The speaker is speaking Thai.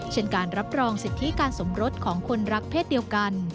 เช่นการรับรองสิทธิการสมรสของคนรักเพศเดียวกัน